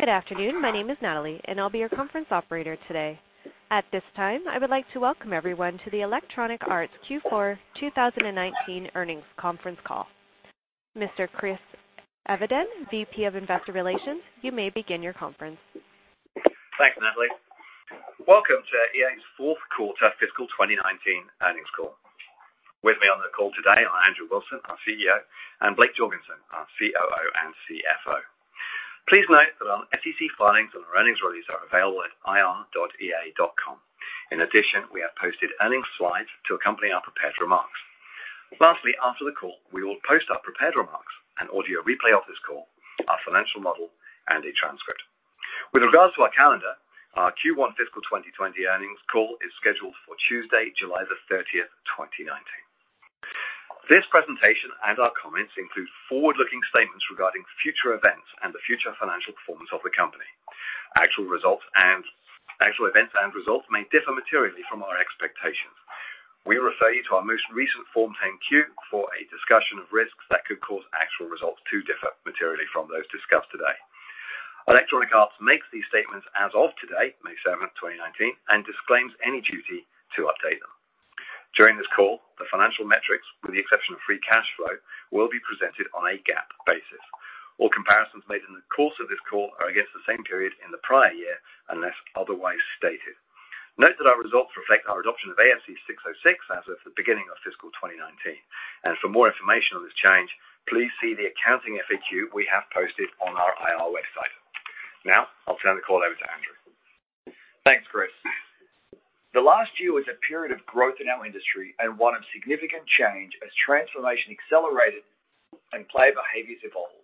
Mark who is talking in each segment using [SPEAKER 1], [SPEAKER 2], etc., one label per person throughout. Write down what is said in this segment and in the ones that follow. [SPEAKER 1] Good afternoon. My name is Natalie, and I'll be your conference operator today. At this time, I would like to welcome everyone to the Electronic Arts Q4 2019 earnings conference call. Mr. Chris Evenden, VP of Investor Relations, you may begin your conference.
[SPEAKER 2] Thanks, Natalie. Welcome to EA's fourth quarter fiscal 2019 earnings call. With me on the call today are Andrew Wilson, our CEO, and Blake Jorgensen, our COO and CFO. Please note that our SEC filings and our earnings release are available at ir.ea.com. In addition, we have posted earnings slides to accompany our prepared remarks. Lastly, after the call, we will post our prepared remarks, an audio replay of this call, our financial model, and a transcript. With regards to our calendar, our Q1 fiscal 2020 earnings call is scheduled for Tuesday, July the 30th, 2019. This presentation and our comments include forward-looking statements regarding future events and the future financial performance of the company. Actual events and results may differ materially from our expectations. We refer you to our most recent Form 10-Q for a discussion of risks that could cause actual results to differ materially from those discussed today. Electronic Arts makes these statements as of today, May 7th, 2019, and disclaims any duty to update them. During this call, the financial metrics, with the exception of free cash flow, will be presented on a GAAP basis. All comparisons made in the course of this call are against the same period in the prior year, unless otherwise stated. Note that our results reflect our adoption of ASC 606 as of the beginning of fiscal 2019, and for more information on this change, please see the accounting FAQ we have posted on our IR website. Now, I'll turn the call over to Andrew.
[SPEAKER 3] Thanks, Chris. The last year was a period of growth in our industry and one of significant change as transformation accelerated and player behaviors evolved.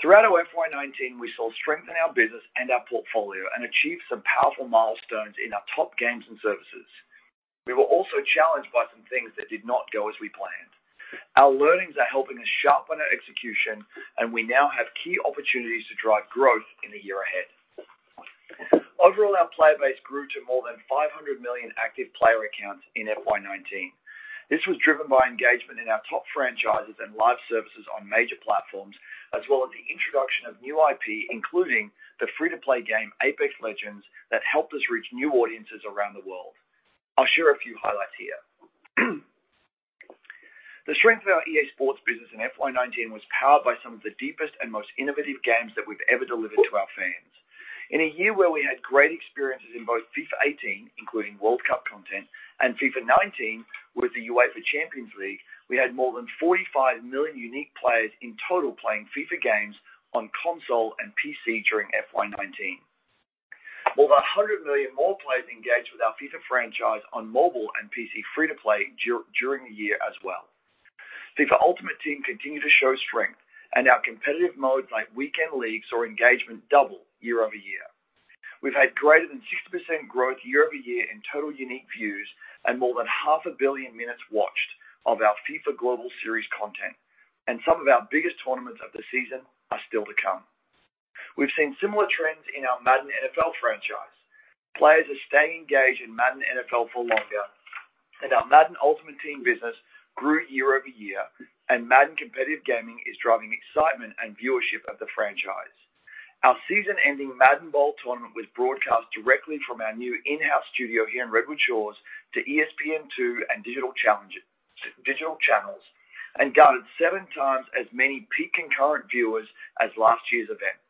[SPEAKER 3] Throughout our FY 2019, we saw strength in our business and our portfolio and achieved some powerful milestones in our top games and services. We were also challenged by some things that did not go as we planned. Our learnings are helping us sharpen our execution, and we now have key opportunities to drive growth in the year ahead. Overall, our player base grew to more than 500 million active player accounts in FY 2019. This was driven by engagement in our top franchises and live services on major platforms as well as the introduction of new IP, including the free-to-play game, Apex Legends, that helped us reach new audiences around the world. I'll share a few highlights here. The strength of our EA Sports business in FY 2019 was powered by some of the deepest and most innovative games that we've ever delivered to our fans. In a year where we had great experiences in both FIFA 18, including World Cup content, and FIFA 19 with the UEFA Champions League, we had more than 45 million unique players in total playing FIFA games on console and PC during FY 2019. Over 100 million more players engaged with our FIFA franchise on mobile and PC free-to-play during the year as well. FIFA Ultimate Team continued to show strength, and our competitive modes like Weekend Leagues saw engagement double year-over-year. We've had greater than 60% growth year-over-year in total unique views and more than half a billion minutes watched of our FIFA Global Series content. Some of our biggest tournaments of the season are still to come. We've seen similar trends in our Madden NFL franchise. Players are staying engaged in Madden NFL for longer, and our Madden Ultimate Team business grew year-over-year. Madden competitive gaming is driving excitement and viewership of the franchise. Our season-ending Madden Bowl tournament was broadcast directly from our new in-house studio here in Redwood Shores to ESPN2 and digital channels, and garnered seven times as many peak concurrent viewers as last year's event.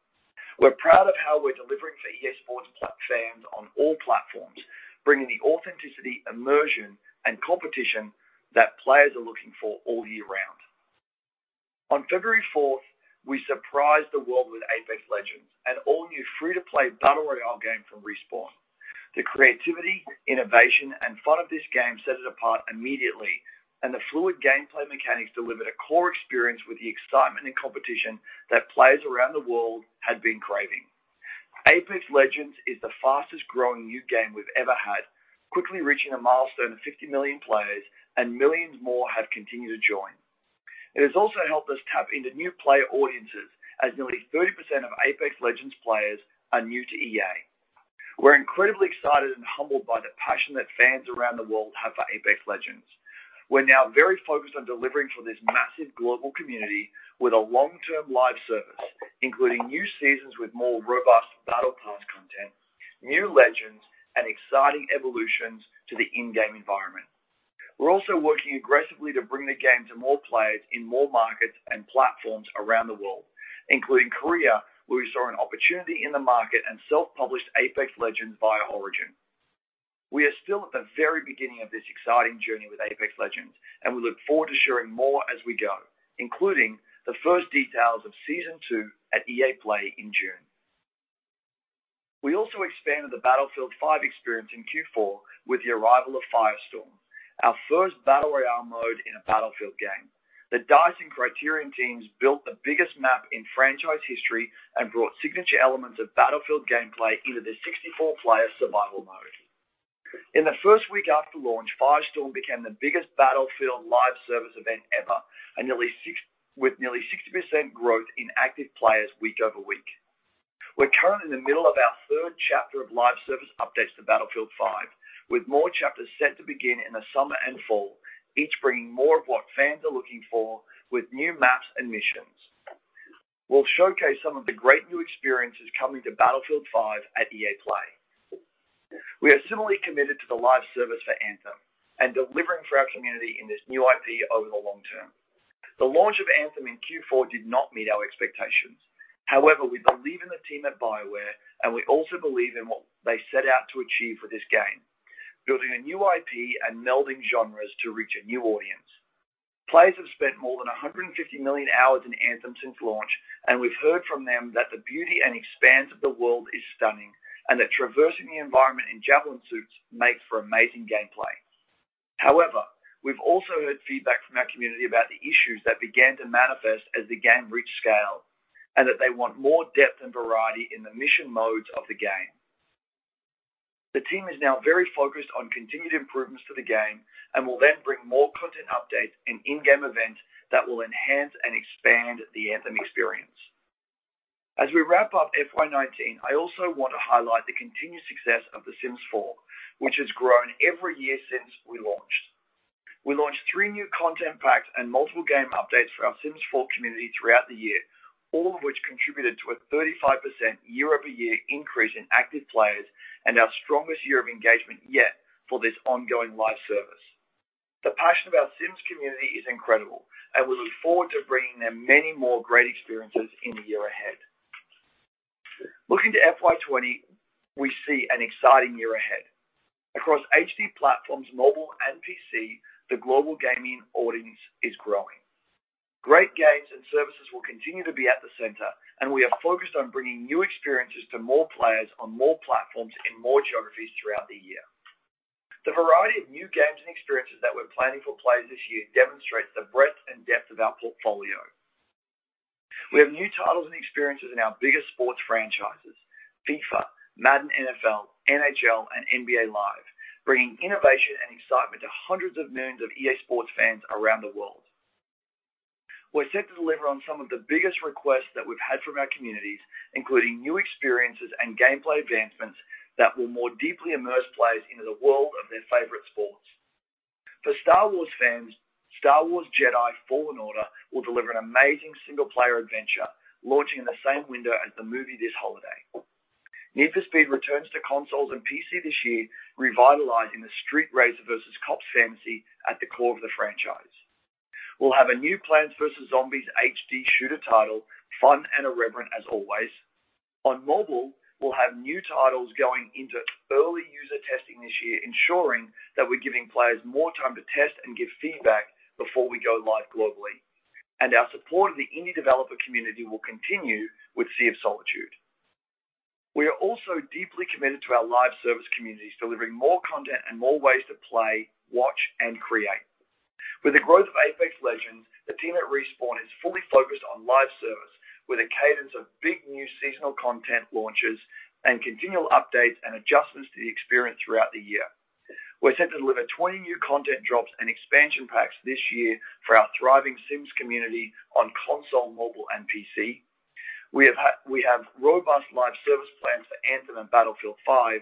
[SPEAKER 3] We're proud of how we're delivering for EA Sports fans on all platforms, bringing the authenticity, immersion, and competition that players are looking for all year round. On February fourth, we surprised the world with Apex Legends, an all-new free-to-play battle royale game from Respawn. The creativity, innovation, and fun of this game set it apart immediately, and the fluid gameplay mechanics delivered a core experience with the excitement and competition that players around the world had been craving. Apex Legends is the fastest-growing new game we've ever had, quickly reaching a milestone of 50 million players. Millions more have continued to join. It has also helped us tap into new player audiences, as nearly 30% of Apex Legends players are new to EA. We're incredibly excited and humbled by the passion that fans around the world have for Apex Legends. We're now very focused on delivering for this massive global community with a long-term live service, including new seasons with more robust Battle Pass content, new legends, and exciting evolutions to the in-game environment. We're also working aggressively to bring the game to more players in more markets and platforms around the world, including Korea, where we saw an opportunity in the market and self-published Apex Legends via Origin. We are still at the very beginning of this exciting journey with Apex Legends. We look forward to sharing more as we go, including the first details of Season Two at EA Play in June. We also expanded the Battlefield V experience in Q4 with the arrival of Firestorm, our first battle royale mode in a Battlefield game. The DICE and Criterion teams built the biggest map in franchise history and brought signature elements of Battlefield gameplay into the 64-player survival mode. In the first week after launch, Firestorm became the biggest Battlefield live service event ever with nearly 60% growth in active players week-over-week. We're currently in the middle of our third chapter of live service updates to Battlefield V, with more chapters set to begin in the summer and fall. Each bringing more of what fans are looking for with new maps and missions. We'll showcase some of the great new experiences coming to Battlefield V at EA Play. We are similarly committed to the live service for Anthem and delivering for our community in this new IP over the long term. The launch of Anthem in Q4 did not meet our expectations. However, we believe in the team at BioWare, and we also believe in what they set out to achieve with this game. Building a new IP and melding genres to reach a new audience. Players have spent more than 150 million hours in Anthem since launch, and we've heard from them that the beauty and expanse of the world is stunning, and that traversing the environment in Javelin suits makes for amazing gameplay. However, we've also heard feedback from our community about the issues that began to manifest as the game reached scale, and that they want more depth and variety in the mission modes of the game. The team is now very focused on continued improvements to the game and will then bring more content updates and in-game events that will enhance and expand the Anthem experience. As we wrap up FY 2019, I also want to highlight the continued success of The Sims 4, which has grown every year since we launched. We launched three new content packs and multiple game updates for our Sims 4 community throughout the year, all of which contributed to a 35% year-over-year increase in active players and our strongest year of engagement yet for this ongoing live service. The passion of our Sims community is incredible, and we look forward to bringing them many more great experiences in the year ahead. Looking to FY 2020, we see an exciting year ahead. Across HD platforms, mobile, and PC, the global gaming audience is growing. Great games and services will continue to be at the center, and we are focused on bringing new experiences to more players on more platforms in more geographies throughout the year. The variety of new games and experiences that we're planning for players this year demonstrates the breadth and depth of our portfolio. We have new titles and experiences in our biggest sports franchises, FIFA, Madden NFL, NHL, and NBA Live, bringing innovation and excitement to hundreds of millions of EA Sports fans around the world. We're set to deliver on some of the biggest requests that we've had from our communities, including new experiences and gameplay advancements that will more deeply immerse players into the world of their favorite sports. For Star Wars fans, Star Wars Jedi: Fallen Order will deliver an amazing single-player adventure, launching in the same window as the movie this holiday. Need for Speed returns to consoles and PC this year, revitalizing the street racer versus cops fantasy at the core of the franchise. We'll have a new Plants vs. Zombies HD shooter title, fun and irreverent as always. On mobile, we'll have new titles going into early user testing this year, ensuring that we're giving players more time to test and give feedback before we go live globally. Our support of the indie developer community will continue with Sea of Solitude. We are also deeply committed to our live service communities, delivering more content and more ways to play, watch, and create. With the growth of Apex Legends, the team at Respawn is fully focused on live service with a cadence of big new seasonal content launches and continual updates and adjustments to the experience throughout the year. We're set to deliver 20 new content drops and expansion packs this year for our thriving Sims community on console, mobile, and PC. We have robust live service plans for Anthem and Battlefield V.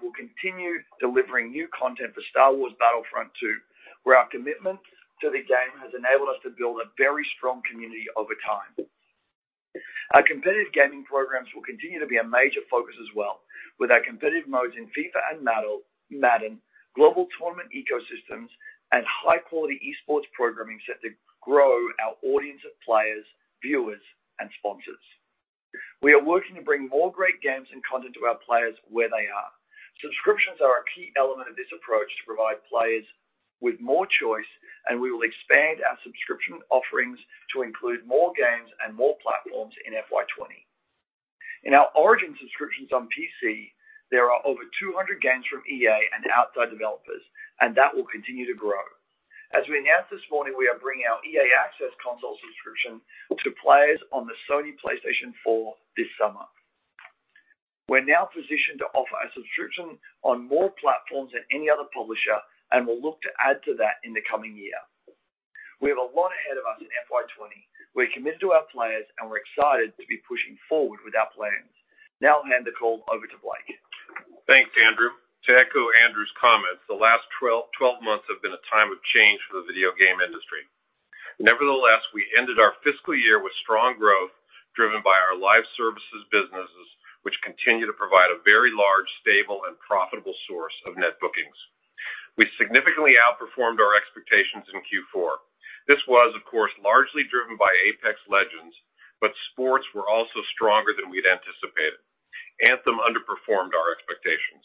[SPEAKER 3] We'll continue delivering new content for Star Wars Battlefront II, where our commitment to the game has enabled us to build a very strong community over time. Our competitive gaming programs will continue to be a major focus as well, with our competitive modes in FIFA and Madden, global tournament ecosystems, and high-quality esports programming set to grow our audience of players, viewers, and sponsors. We are working to bring more great games and content to our players where they are. Subscriptions are a key element of this approach to provide players with more choice. We will expand our subscription offerings to include more games and more platforms in FY 2020. In our Origin subscriptions on PC, there are over 200 games from EA and outside developers. That will continue to grow. As we announced this morning, we are bringing our EA Access console subscription to players on the Sony PlayStation 4 this summer. We're now positioned to offer a subscription on more platforms than any other publisher and will look to add to that in the coming year. We have a lot ahead of us in FY 2020. We're committed to our players. We're excited to be pushing forward with our plans. Now I'll hand the call over to Blake.
[SPEAKER 4] Thanks, Andrew. To echo Andrew's comments, the last 12 months have been a time of change for the video game industry. Nevertheless, we ended our fiscal year with strong growth driven by our live services businesses, which continue to provide a very large, stable, and profitable source of net bookings. We significantly outperformed our expectations in Q4. This was, of course, largely driven by Apex Legends. Sports were also stronger than we'd anticipated. Anthem underperformed our expectations.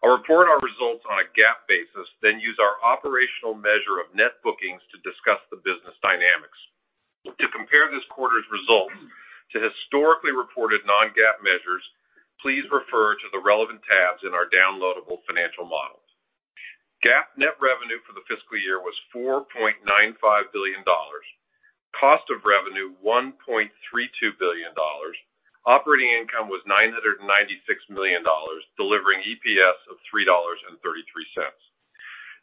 [SPEAKER 4] I'll report our results on a GAAP basis, then use our operational measure of net bookings to discuss the business dynamics. To compare this quarter's results to historically reported non-GAAP measures, please refer to the relevant tabs in our downloadable financial models. GAAP net revenue for the fiscal year was $4.95 billion. Cost of revenue, $1.32 billion. Operating income was $996 million, delivering EPS of $3.33.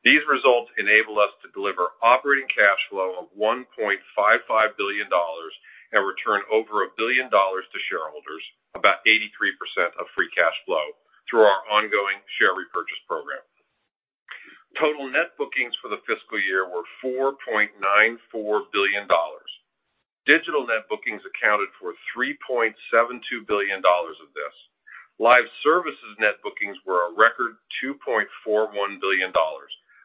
[SPEAKER 4] These results enable us to deliver operating cash flow of $1.55 billion and return over a billion dollars to shareholders, about 83% through our ongoing share repurchase program. Total net bookings for the fiscal year were $4.94 billion. Digital net bookings accounted for $3.72 billion of this. Live services net bookings were a record $2.41 billion,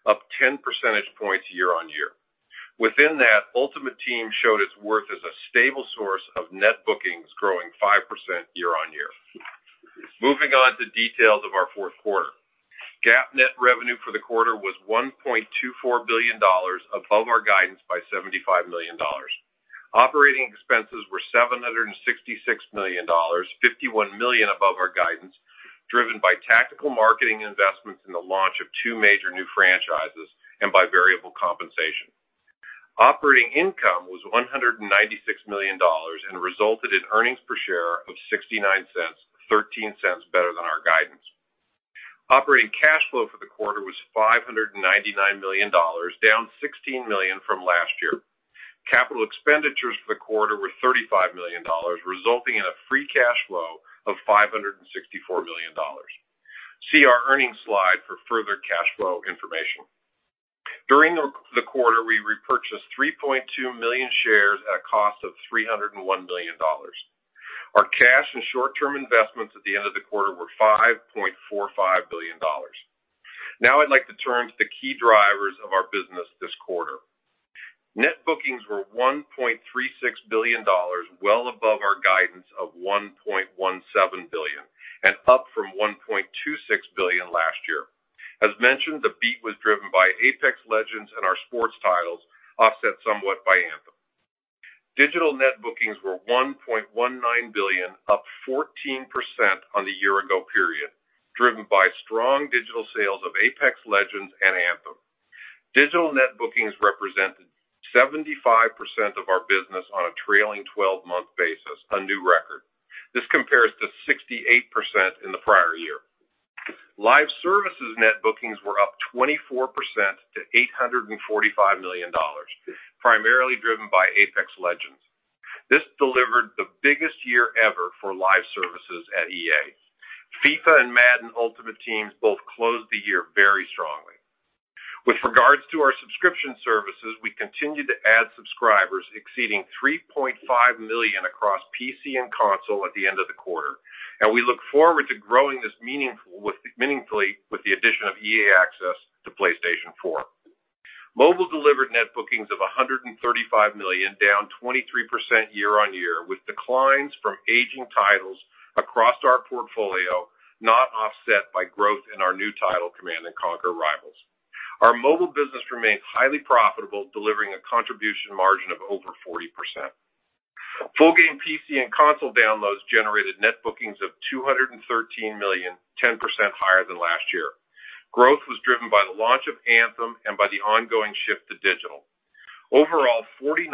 [SPEAKER 4] up 10 percentage points year-on-year. Within that, Ultimate Team showed its worth as a stable source of net bookings, growing 5% year-on-year. Moving on to details of our fourth quarter. GAAP net revenue for the quarter was $1.24 billion, above our guidance by $75 million. Operating expenses were $766 million, $51 million above our guidance, driven by tactical marketing investments in the launch of two major new franchises and by variable compensation. Operating income was $196 million and resulted in earnings per share of $0.69, $0.13 better than our guidance. Operating cash flow for the quarter was $599 million, down $16 million from last year. Capital expenditures for the quarter were $35 million, resulting in a free cash flow of $564 million. See our earnings slide for further cash flow information. During the quarter, we repurchased 3.2 million shares at a cost of $301 million. Our cash and short-term investments at the end of the quarter were $5.45 billion. I'd like to turn to the key drivers of our business this quarter. Net bookings were $1.36 billion, well above our guidance of $1.17 billion, and up from $1.26 billion last year. As mentioned, the beat was driven by Apex Legends and our sports titles, offset somewhat by Anthem. Digital net bookings were $1.19 billion, up 14% on the year ago period, driven by strong digital sales of Apex Legends and Anthem. Digital net bookings represented 75% of our business on a trailing 12-month basis, a new record. This compares to 68% in the prior year. Live services net bookings were up 24% to $845 million, primarily driven by Apex Legends. This delivered the biggest year ever for live services at EA. FIFA and Madden Ultimate Teams both closed the year very strongly. With regards to our subscription services, we continue to add subscribers exceeding 3.5 million across PC and console at the end of the quarter, and we look forward to growing this meaningfully with the addition of EA Access to PlayStation 4. Mobile delivered net bookings of $135 million, down 23% year-on-year, with declines from aging titles across our portfolio not offset by growth in our new title, Command & Conquer: Rivals. Our mobile business remains highly profitable, delivering a contribution margin of over 40%. Full game PC and console downloads generated net bookings of $213 million, 10% higher than last year. Growth was driven by the launch of Anthem and by the ongoing shift to digital. Overall, 49%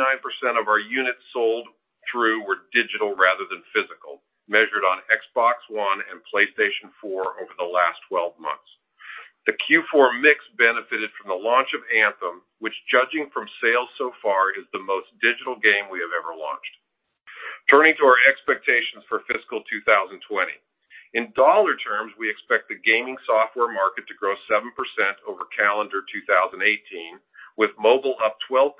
[SPEAKER 4] of our units sold through were digital rather than physical, measured on Xbox One and PlayStation 4 over the last 12 months. The Q4 mix benefited from the launch of Anthem, which, judging from sales so far, is the most digital game we have ever launched. Turning to our expectations for fiscal 2020. In dollar terms, we expect the gaming software market to grow 7% over calendar 2018, with mobile up 12%,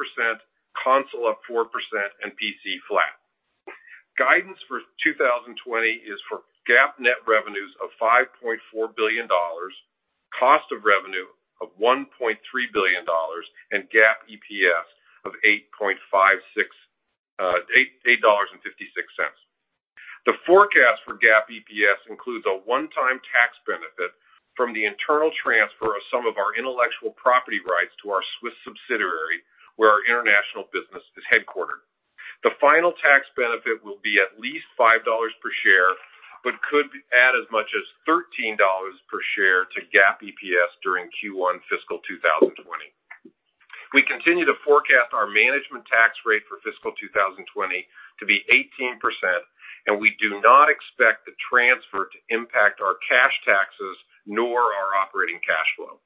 [SPEAKER 4] console up 4%, and PC flat. Guidance for 2020 is for GAAP net revenues of $5.4 billion, cost of revenue of $1.3 billion, and GAAP EPS of $8.56. The forecast for GAAP EPS includes a one-time tax benefit from the internal transfer of some of our intellectual property rights to our Swiss subsidiary, where our international business is headquartered. The final tax benefit will be at least $5 per share, but could add as much as $13 per share to GAAP EPS during Q1 fiscal 2020. We continue to forecast our management tax rate for fiscal 2020 to be 18%. We do not expect the transfer to impact our cash taxes nor our operating cash flow.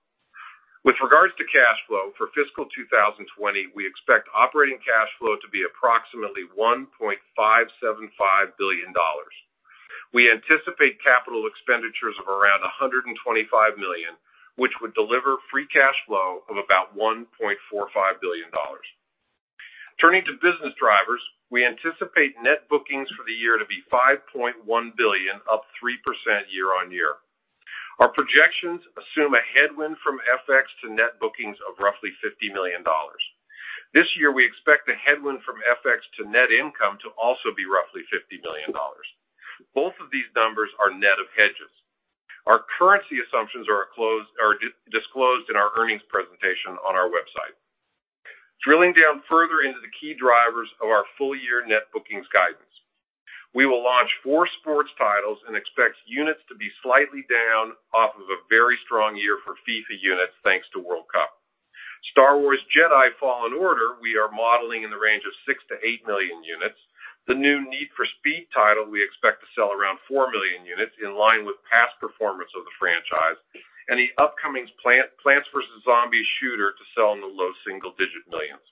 [SPEAKER 4] With regards to cash flow for fiscal 2020, we expect operating cash flow to be approximately $1.575 billion. We anticipate capital expenditures of around $125 million, which would deliver free cash flow of about $1.45 billion. Turning to business drivers, we anticipate net bookings for the year to be $5.1 billion, up 3% year-on-year. Our projections assume a headwind from FX to net bookings of roughly $50 million. This year, we expect the headwind from FX to net income to also be roughly $50 million. Both of these numbers are net of hedges. Our currency assumptions are disclosed in our earnings presentation on our website. Drilling down further into the key drivers of our full-year net bookings guidance. We will launch four sports titles and expect units to be slightly down off of a very strong year for FIFA units, thanks to World Cup. Star Wars Jedi: Fallen Order, we are modeling in the range of six to eight million units. The new Need for Speed title we expect to sell around four million units, in line with past performance of the franchise, and the upcoming Plants vs. Zombies shooter to sell in the low single-digit millions.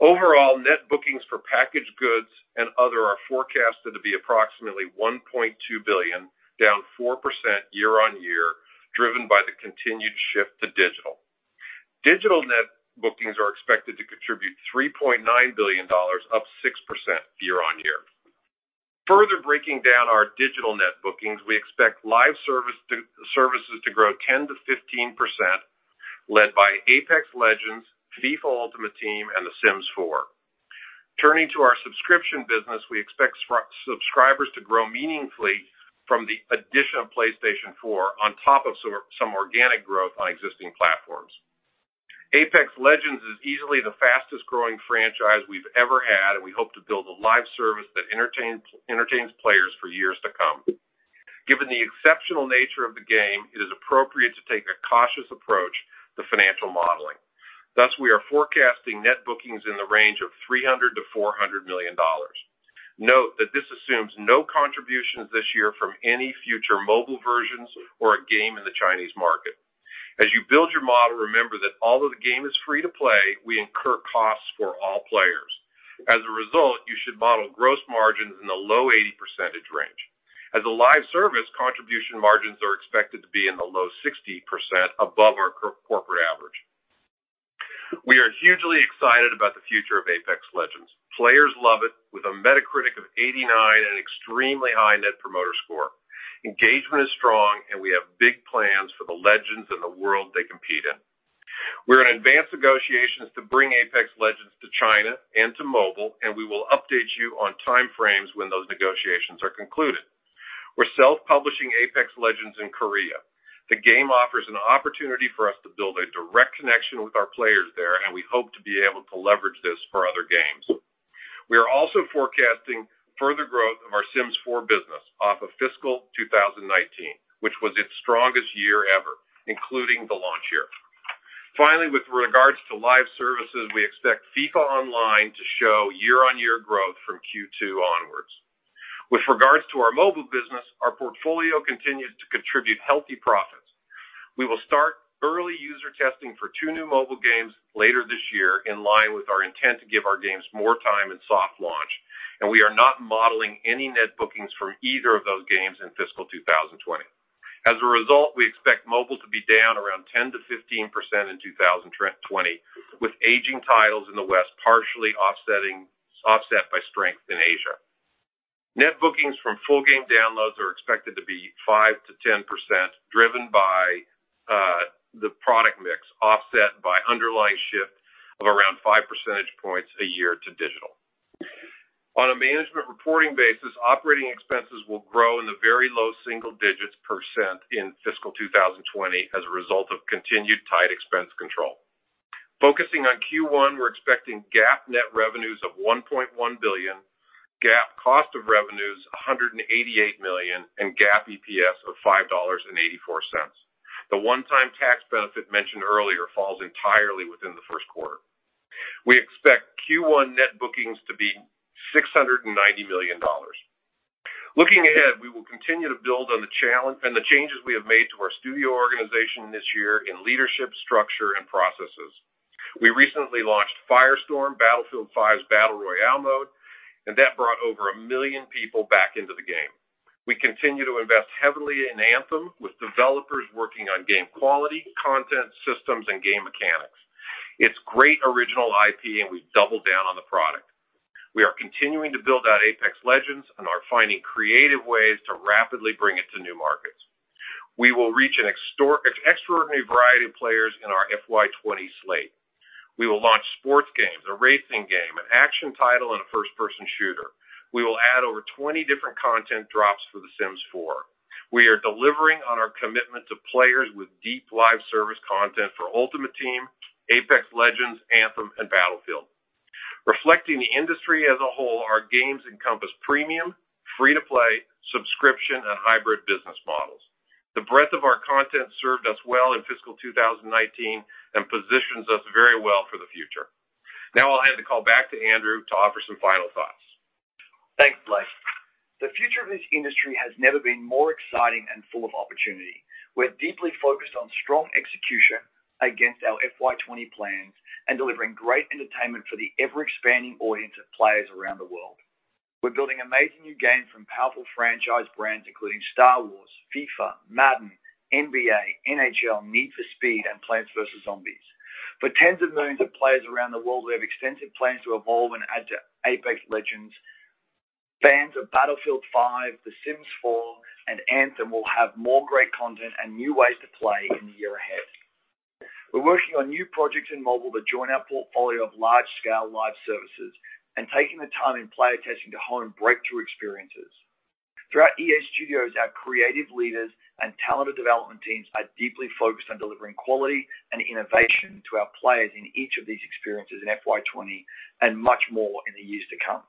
[SPEAKER 4] Net bookings for packaged goods and other are forecasted to be approximately $1.2 billion, down 4% year-on-year, driven by the continued shift to digital. Digital net bookings are expected to contribute $3.9 billion, up 6% year-on-year. Further breaking down our digital net bookings, we expect live services to grow 10%-15%, led by Apex Legends, FIFA Ultimate Team, and The Sims 4. Turning to our subscription business, we expect subscribers to grow meaningfully from the addition of PlayStation 4 on top of some organic growth on existing platforms. Apex Legends is easily the fastest-growing franchise we've ever had. We hope to build a live service that entertains players for years to come. Given the exceptional nature of the game, it is appropriate to take a cautious approach to financial modeling. We are forecasting net bookings in the range of $300 million-$400 million. Note that this assumes no contributions this year from any future mobile versions or a game in the Chinese market. As you build your model, remember that although the game is free to play, we incur costs for all players. As a result, you should model gross margins in the low 80 percentage range. As a live service, contribution margins are expected to be in the low 60%, above our corporate average. We are hugely excited about the future of Apex Legends. Players love it, with a Metacritic of 89 and an extremely high Net Promoter Score. Engagement is strong. We have big plans for the Legends and the world they compete in. We're in advanced negotiations to bring Apex Legends to China and to mobile. We will update you on time frames when those negotiations are concluded. We're self-publishing Apex Legends in Korea. The game offers an opportunity for us to build a direct connection with our players there. We hope to be able to leverage this for other games. We are also forecasting further growth of our Sims 4 business off of fiscal 2019, which was its strongest year ever, including the launch year. Finally, with regards to live services, we expect FIFA Online to show year-on-year growth from Q2 onwards. With regards to our mobile business, our portfolio continues to contribute healthy profits. We will start early user testing for two new mobile games later this year, in line with our intent to give our games more time in soft launch. We are not modeling any net bookings from either of those games in fiscal 2020. As a result, we expect mobile to be down around 10%-15% in 2020, with aging titles in the West partially offset by strength in Asia. Net bookings from full game downloads are expected to be 5%-10%, driven by the product mix, offset by underlying shift of around five percentage points a year to digital. On a management reporting basis, operating expenses will grow in the very low single digits % in fiscal 2020 as a result of continued tight expense control. Focusing on Q1, we're expecting GAAP net revenues of $1.1 billion, GAAP cost of revenues $188 million, GAAP EPS of $5.84. The one-time tax benefit mentioned earlier falls entirely within the first quarter. We expect Q1 net bookings to be $690 million. Looking ahead, we will continue to build on the challenges and the changes we have made to our studio organization this year in leadership, structure, and processes. We recently launched Firestorm, Battlefield V's Battle Royale mode. That brought over a million people back into the game. We continue to invest heavily in Anthem with developers working on game quality, content, systems, and game mechanics. It's great original IP. We've doubled down on the product. We are continuing to build out Apex Legends and are finding creative ways to rapidly bring it to new markets. We will reach an extraordinary variety of players in our FY 2020 slate. We will launch sports games, a racing game, an action title, and a first-person shooter. We will add over 20 different content drops for The Sims 4. We are delivering on our commitment to players with deep live service content for Ultimate Team, Apex Legends, Anthem, and Battlefield. Reflecting the industry as a whole, our games encompass premium, free-to-play, subscription, and hybrid business models. The breadth of our content served us well in fiscal 2019 and positions us very well for the future. Now I'll hand the call back to Andrew to offer some final thoughts.
[SPEAKER 3] Thanks, Blake. The future of this industry has never been more exciting and full of opportunity. We're deeply focused on strong execution against our FY 2020 plans and delivering great entertainment for the ever-expanding audience of players around the world. We're building amazing new games from powerful franchise brands including Star Wars, FIFA, Madden, NBA, NHL, Need for Speed, and Plants vs. Zombies. For tens of millions of players around the world, we have extensive plans to evolve and add to Apex Legends. Fans of Battlefield V, The Sims 4, and Anthem will have more great content and new ways to play in the year ahead. We're working on new projects in mobile that join our portfolio of large-scale live services and taking the time in player testing to hone breakthrough experiences. Throughout EA Studios, our creative leaders and talented development teams are deeply focused on delivering quality and innovation to our players in each of these experiences in FY 2020 and much more in the years to come.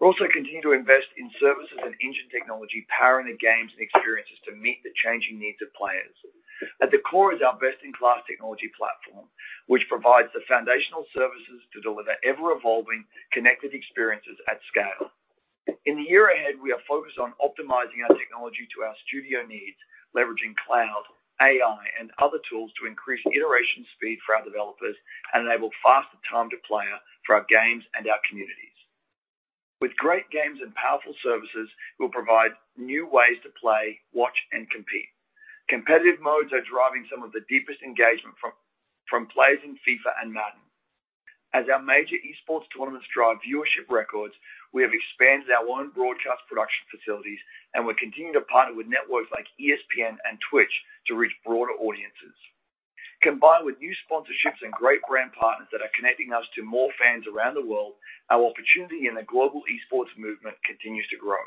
[SPEAKER 3] We're also continuing to invest in services and engine technology powering the games and experiences to meet the changing needs of players. At the core is our best-in-class technology platform, which provides the foundational services to deliver ever-evolving connected experiences at scale. In the year ahead, we are focused on optimizing our technology to our studio needs, leveraging cloud, AI, and other tools to increase iteration speed for our developers and enable faster time to player for our games and our communities. With great games and powerful services, we'll provide new ways to play, watch, and compete. Competitive modes are driving some of the deepest engagement from players in FIFA and Madden. As our major esports tournaments drive viewership records, we have expanded our own broadcast production facilities, and we're continuing to partner with networks like ESPN and Twitch to reach broader audiences. Combined with new sponsorships and great brand partners that are connecting us to more fans around the world, our opportunity in the global esports movement continues to grow.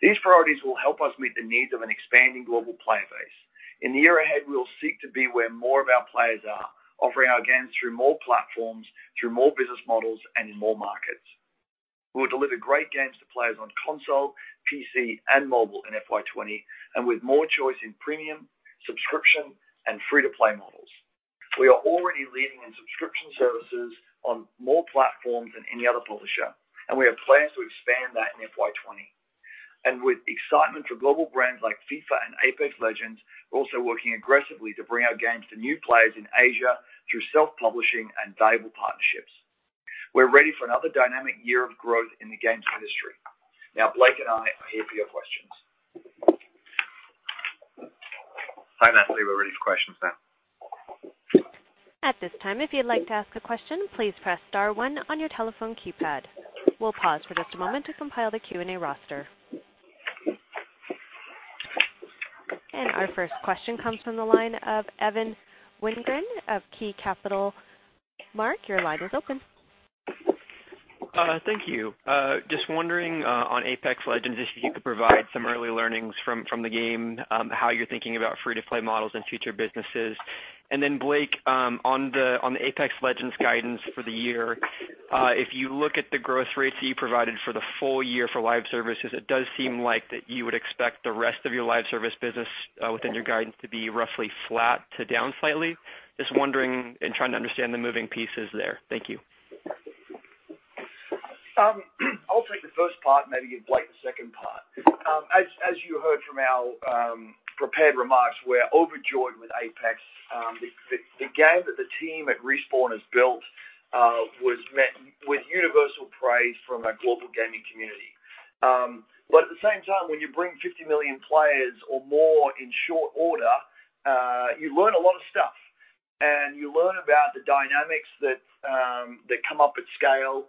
[SPEAKER 3] These priorities will help us meet the needs of an expanding global player base. In the year ahead, we will seek to be where more of our players are, offering our games through more platforms, through more business models, and in more markets. We will deliver great games to players on console, PC, and mobile in FY 2020, and with more choice in premium, subscription, and free-to-play models. We are already leading in subscription services on more platforms than any other publisher, and we have plans to expand that in FY 2020. With excitement for global brands like FIFA and Apex Legends, we're also working aggressively to bring our games to new players in Asia through self-publishing and valuable partnerships. We're ready for another dynamic year of growth in the games industry. Now Blake and I are here for your questions. Hi, Natalie, we're ready for questions now.
[SPEAKER 1] At this time, if you'd like to ask a question, please press star one on your telephone keypad. We'll pause for just a moment to compile the Q&A roster. Our first question comes from the line of Evan Wingren of KeyBanc Capital Markets. Mark, your line is open.
[SPEAKER 5] Thank you. Just wondering, on Apex Legends, if you could provide some early learnings from the game, how you're thinking about free-to-play models and future businesses. Blake, on the Apex Legends guidance for the year, if you look at the growth rates that you provided for the full year for live services, it does seem like that you would expect the rest of your live service business within your guidance to be roughly flat to down slightly. Just wondering and trying to understand the moving pieces there. Thank you.
[SPEAKER 3] I'll take the first part, maybe give Blake the second part. As you heard from our prepared remarks, we're overjoyed with Apex. The game that the team at Respawn has built was met with universal praise from our global gaming community. At the same time, when you bring 50 million players or more in short order, you learn a lot of stuff, you learn about the dynamics that come up at scale,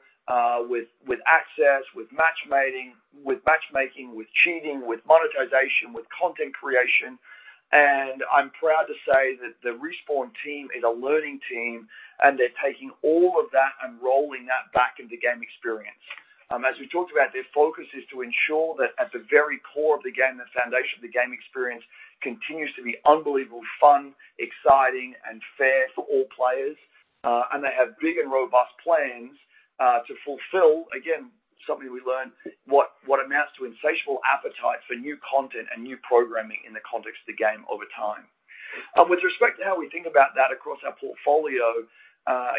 [SPEAKER 3] with access, with matchmaking, with cheating, with monetization, with content creation. I'm proud to say that the Respawn team is a learning team, and they're taking all of that and rolling that back into game experience. As we talked about, their focus is to ensure that at the very core of the game, the foundation of the game experience continues to be unbelievably fun, exciting, and fair for all players. They have big and robust plans to fulfill, again, something we learned what amounts to insatiable appetite for new content and new programming in the context of the game over time. With respect to how we think about that across our portfolio,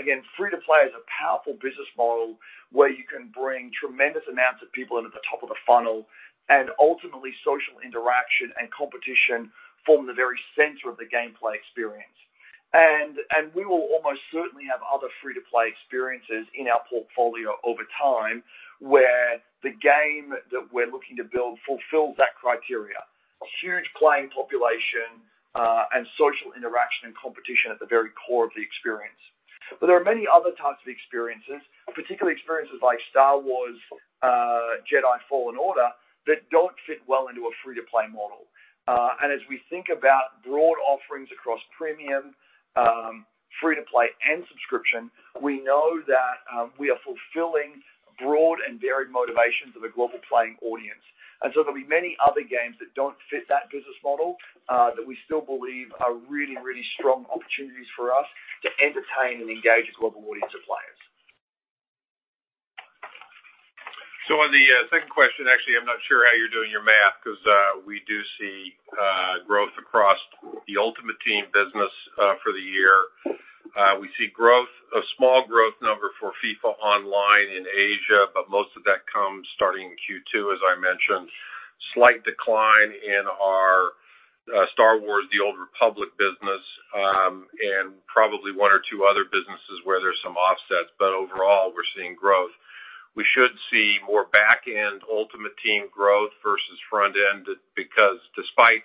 [SPEAKER 3] again, free-to-play is a powerful business model where you can bring tremendous amounts of people into the top of the funnel and ultimately social interaction and competition form the very center of the gameplay experience. We will almost certainly have other free-to-play experiences in our portfolio over time where the game that we're looking to build fulfills that criteria. A huge playing population and social interaction and competition at the very core of the experience. There are many other types of experiences, particularly experiences like Star Wars Jedi: Fallen Order that don't fit well into a free-to-play model. As we think about broad offerings across premium, free to play, and subscription, we know that we are fulfilling broad and varied motivations of a global playing audience. There'll be many other games that don't fit that business model that we still believe are really strong opportunities for us to entertain and engage a global audience of players.
[SPEAKER 4] On the second question, actually, I'm not sure how you're doing your math because we do see growth across the Ultimate Team business for the year. We see growth, a small growth number for FIFA Online in Asia, but most of that comes starting in Q2, as I mentioned. Slight decline in our Star Wars: The Old Republic business and probably one or two other businesses where there's some offsets, but overall, we're seeing growth. We should see more back-end Ultimate Team growth versus front end because despite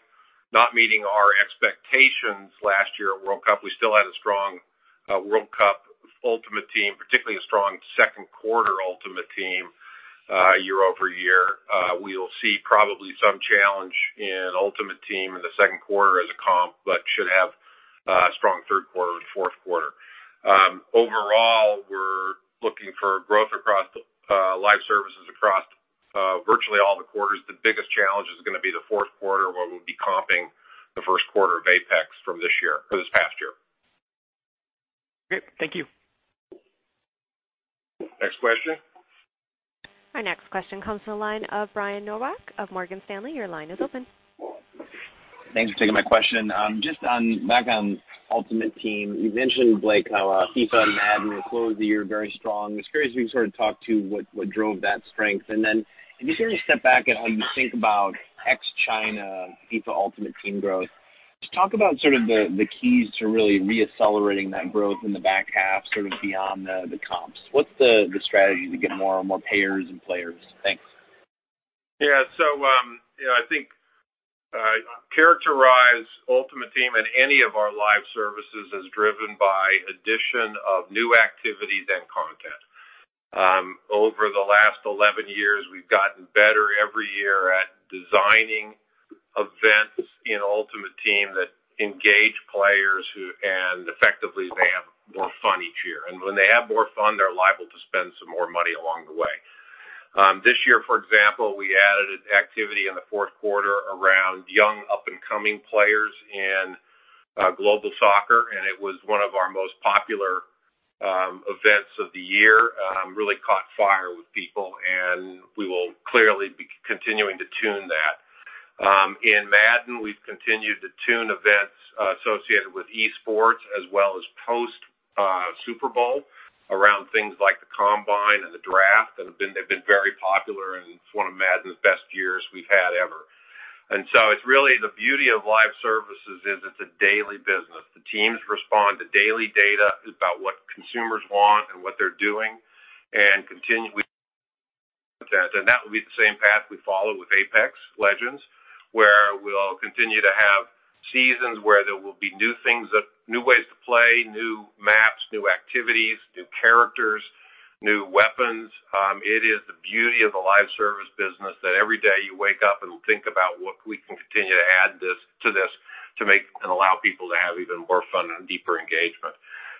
[SPEAKER 4] not meeting our expectations last year at World Cup, we still had a strong World Cup Ultimate Team, particularly a strong second quarter Ultimate Team year-over-year. We will see probably some challenge in Ultimate Team in the second quarter as a comp, but should have a strong third quarter and fourth quarter. Overall, we're looking for growth across live services across virtually all the quarters. The biggest challenge is going to be the fourth quarter where we'll be comping the first quarter of Apex from this past year.
[SPEAKER 5] Great. Thank you.
[SPEAKER 4] Next question.
[SPEAKER 1] Our next question comes from the line of Brian Nowak of Morgan Stanley. Your line is open.
[SPEAKER 6] Thanks for taking my question. Just back on Ultimate Team, you mentioned, Blake, how FIFA and Madden will close the year very strong. I was curious if you could sort of talk to what drove that strength, then if you sort of step back at how you think about ex-China FIFA Ultimate Team growth. Just talk about sort of the keys to really re-accelerating that growth in the back half, sort of beyond the comps. What's the strategy to get more and more payers and players? Thanks.
[SPEAKER 4] Yeah. I think characterize Ultimate Team and any of our live services as driven by addition of new activities and content. Over the last 11 years, we've gotten better every year at designing events in Ultimate Team that engage players and effectively they have more fun each year. When they have more fun, they're liable to spend some more money along the way. This year, for example, we added an activity in the fourth quarter around young up-and-coming players in global soccer, and it was one of our most popular events of the year. Really caught fire with people, and we will clearly be continuing to tune that. In Madden, we've continued to tune events associated with esports as well as post-Super Bowl around things like the combine and the draft that have been very popular. It's one of Madden's best years we've had ever. It's really the beauty of live services is it's a daily business. The teams respond to daily data about what consumers want and what they're doing and continue with that. That will be the same path we follow with Apex Legends, where we'll continue to have seasons where there will be new things of new ways to play, new maps, new activities, new characters, new weapons. It is the beauty of the live service business that every day you wake up and think about what we can continue to add to this to make and allow people to have even more fun and deeper engagement.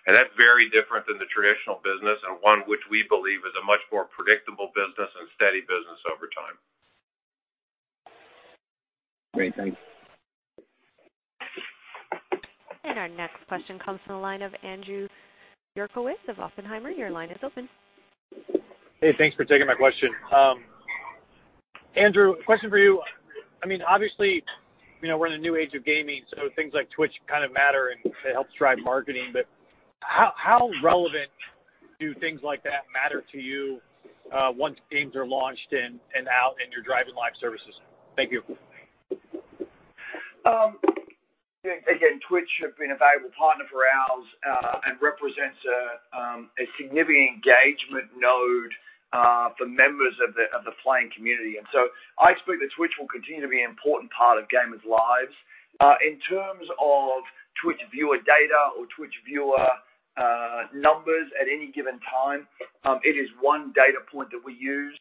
[SPEAKER 4] That's very different than the traditional business and one which we believe is a much more predictable business and steady business over time.
[SPEAKER 6] Great. Thanks.
[SPEAKER 1] Our next question comes from the line of Andrew Uerkwitz of Oppenheimer & Co. Your line is open.
[SPEAKER 7] Hey, thanks for taking my question. Andrew, question for you. Obviously, we're in a new age of gaming, things like Twitch kind of matter, and it helps drive marketing. How relevant do things like that matter to you once games are launched and out and you're driving live services? Thank you.
[SPEAKER 3] Twitch have been a valuable partner for ours and represents a significant engagement node for members of the playing community. I expect that Twitch will continue to be an important part of gamers' lives. In terms of Twitch viewer data or Twitch viewer numbers at any given time, it is one data point that we use.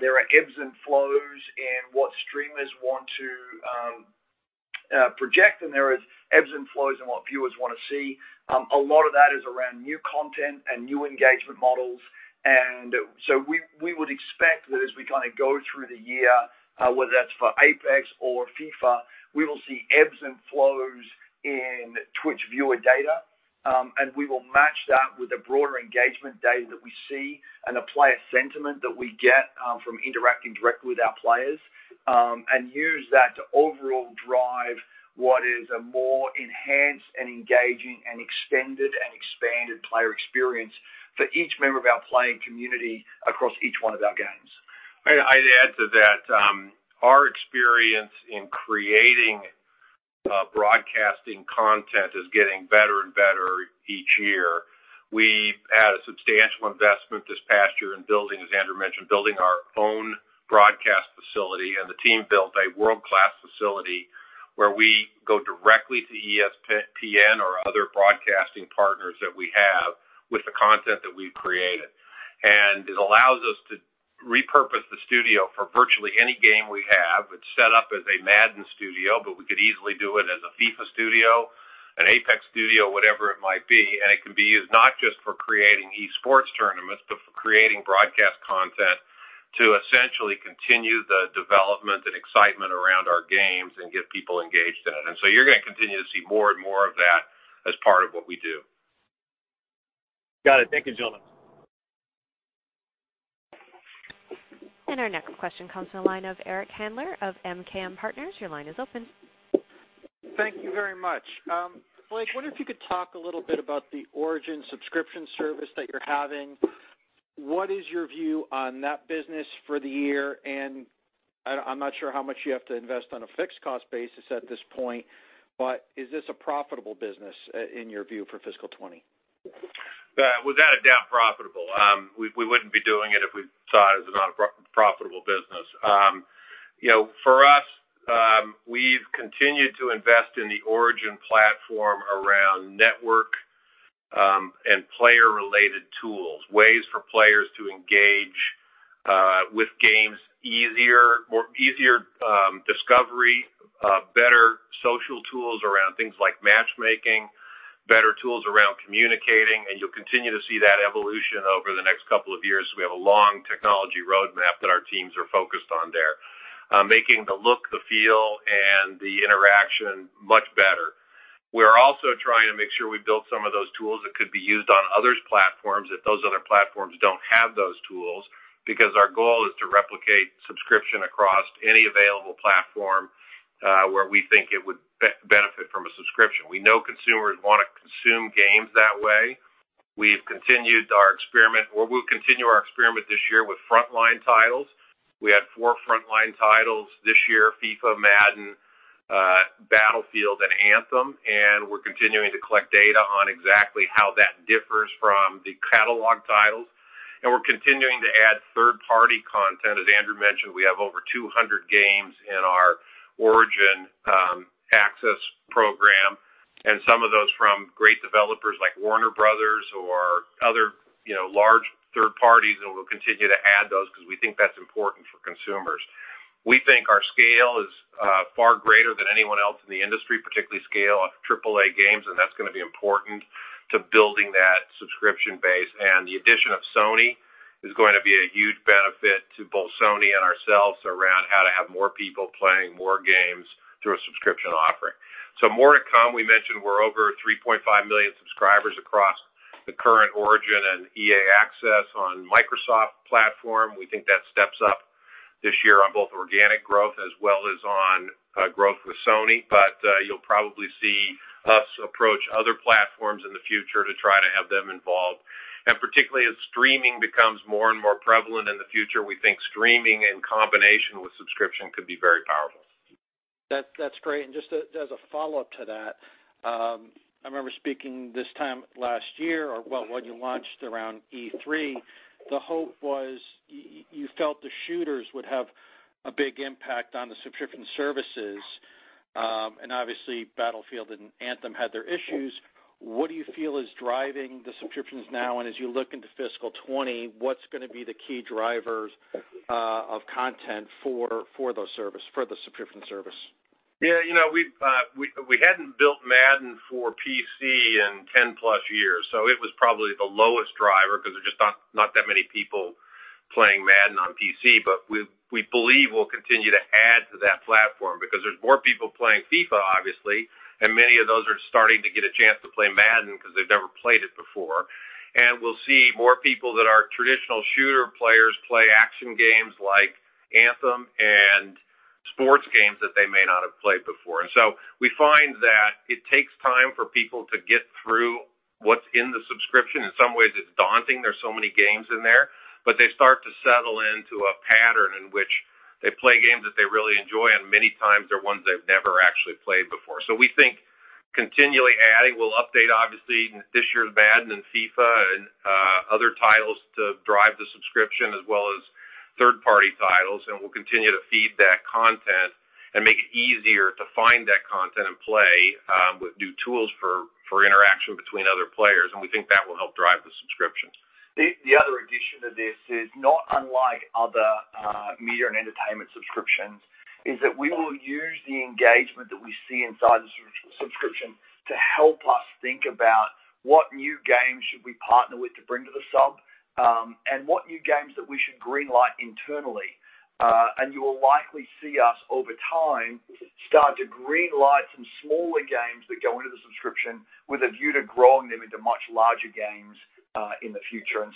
[SPEAKER 3] There are ebbs and flows in what streamers want to project, and there is ebbs and flows in what viewers want to see. A lot of that is around new content and new engagement models, we would expect that as we kind of go through the year, whether that's for Apex or FIFA, we will see ebbs and flows in Twitch viewer data. We will match that with the broader engagement data that we see and the player sentiment that we get from interacting directly with our players and use that to overall drive what is a more enhanced and engaging and extended and expanded player experience for each member of our playing community across each one of our games.
[SPEAKER 4] I'd add to that. Our experience in creating broadcasting content is getting better and better each year. We've had a substantial investment this past year in building, as Andrew mentioned, building our own broadcast facility, the team built a world-class facility where we go directly to ESPN or other broadcasting partners that we have with the content that we've created. It allows us to repurpose the studio for virtually any game we have. It's set up as a Madden studio, but we could easily do it as a FIFA studio, an Apex studio, whatever it might be. It can be used not just for creating esports tournaments, but for creating broadcast content to essentially continue the development and excitement around our games and get people engaged in it. You're going to continue to see more and more of that as part of what we do.
[SPEAKER 7] Got it. Thank you, gentlemen.
[SPEAKER 1] Our next question comes from the line of Eric Handler of MKM Partners. Your line is open.
[SPEAKER 8] Thank you very much. Blake, wonder if you could talk a little bit about the Origin subscription service that you're having. What is your view on that business for the year? I'm not sure how much you have to invest on a fixed cost basis at this point, but is this a profitable business, in your view, for fiscal 2020?
[SPEAKER 4] Without a doubt, profitable. We wouldn't be doing it if we saw it as not a profitable business. For us, we've continued to invest in the Origin platform around network and player-related tools, ways for players to engage with games easier, more easier discovery, better social tools around things like matchmaking, better tools around communicating. You'll continue to see that evolution over the next couple of years. We have a long technology roadmap that our teams are focused on there. Making the look, the feel, and the interaction much better. Also trying to make sure we build some of those tools that could be used on others' platforms, if those other platforms don't have those tools, because our goal is to replicate subscription across any available platform, where we think it would benefit from a subscription. We know consumers want to consume games that way. We've continued our experiment, or we'll continue our experiment this year with frontline titles. We had four frontline titles this year, "FIFA," "Madden," "Battlefield," and "Anthem." We're continuing to collect data on exactly how that differs from the catalog titles. We're continuing to add third-party content. As Andrew mentioned, we have over 200 games in our Origin Access program, and some of those from great developers like Warner Bros. or other large third parties, and we'll continue to add those because we think that's important for consumers. We think our scale is far greater than anyone else in the industry, particularly scale of AAA games. That's going to be important to building that subscription base. The addition of Sony is going to be a huge benefit to both Sony and ourselves around how to have more people playing more games through a subscription offering. More to come. We mentioned we're over 3.5 million subscribers across the current Origin and EA Access on Microsoft platform. We think that steps up this year on both organic growth as well as on growth with Sony. You'll probably see us approach other platforms in the future to try to have them involved. Particularly as streaming becomes more and more prevalent in the future, we think streaming in combination with subscription could be very powerful.
[SPEAKER 8] That's great. Just as a follow-up to that, I remember speaking this time last year or, well, when you launched around E3, the hope was you felt the shooters would have a big impact on the subscription services. Obviously Battlefield and Anthem had their issues. What do you feel is driving the subscriptions now, and as you look into fiscal 2020, what's going to be the key drivers of content for the subscription service?
[SPEAKER 4] Yeah. We hadn't built Madden for PC in 10-plus years, it was probably the lowest driver because there's just not that many people playing Madden on PC. We believe we'll continue to add to that platform because there's more people playing FIFA, obviously, and many of those are starting to get a chance to play Madden because they've never played it before. We'll see more people that are traditional shooter players play action games like Anthem and sports games that they may not have played before. We find that it takes time for people to get through what's in the subscription. In some ways, it's daunting. There's so many games in there. They start to settle into a pattern in which they play games that they really enjoy, and many times they're ones they've never actually played before. We think continually adding. We'll update, obviously, this year's Madden and FIFA and other titles to drive the subscription as well as third-party titles, we'll continue to feed that content and make it easier to find that content and play with new tools for interaction between other players. We think that will help drive the subscriptions.
[SPEAKER 3] The other addition to this is not unlike other media and entertainment subscriptions, is that we will use the engagement that we see inside the subscription to help us think about what new games should we partner with to bring to the sub, what new games that we should green-light internally. You will likely see us over time start to green-light some smaller games that go into the subscription with a view to growing them into much larger games in the future.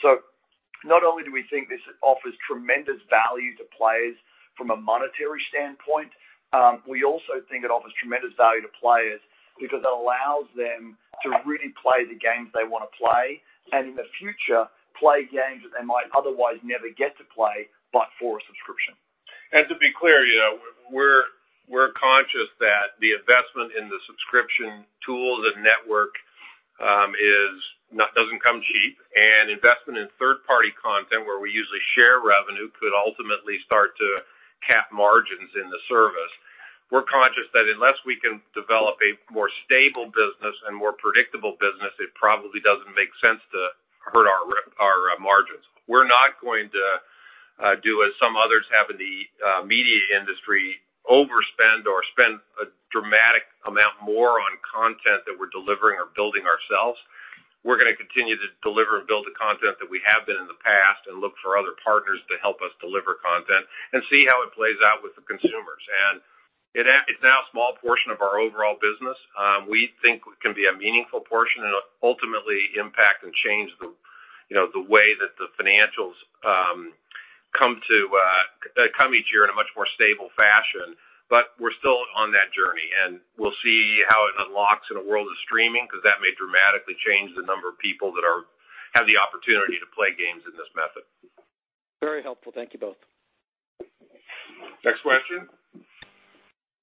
[SPEAKER 3] Not only do we think this offers tremendous value to players from a monetary standpoint, we also think it offers tremendous value to players because it allows them to really play the games they want to play, and in the future, play games that they might otherwise never get to play but for a subscription.
[SPEAKER 4] To be clear, we're conscious that the investment in the subscription tools and network doesn't come cheap, investment in third-party content, where we usually share revenue, could ultimately start to cap margins in the service. We're conscious that unless we can develop a more stable business and more predictable business, it probably doesn't make sense to hurt our margins. We're not going to do as some others have in the media industry, overspend or spend a dramatic amount more on content that we're delivering or building ourselves. We're going to continue to deliver and build the content that we have been in the past and look for other partners to help us deliver content and see how it plays out with the consumers. It's now a small portion of our overall business. We think it can be a meaningful portion and ultimately impact and change the way that the financials come each year in a much more stable fashion. We're still on that journey, and we'll see how it unlocks in a world of streaming, because that may dramatically change the number of people that have the opportunity to play games in this method.
[SPEAKER 8] Very helpful. Thank you both.
[SPEAKER 4] Next question.